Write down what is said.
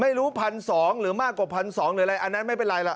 ไม่รู้พันสองหรือมากกว่าพันสองหรืออะไรอันนั้นไม่เป็นไรล่ะ